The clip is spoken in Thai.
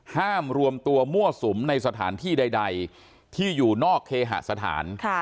ห้ามรวมตัวมั่วสุมในสถานที่ใดที่อยู่นอกเคหสถาน